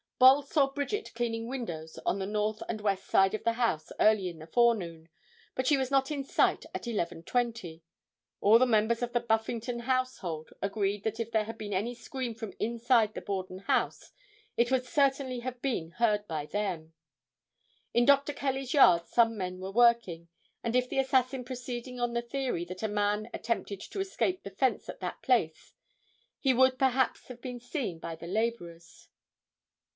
Bolles saw Bridget cleaning windows on the north and west side of the house early in the forenoon, but she was not in sight at 11:20. All the members of the Buffington household agreed that if there had been any scream from inside the Borden house it would certainly have been heard by them. In Dr. Kelly's yard some men were working, and if the assassin proceeding on the theory that a man attempted to scale the fence at that place, he would perhaps have been seen by the laborers.